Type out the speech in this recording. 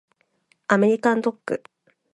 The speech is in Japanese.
アメリカンドッグ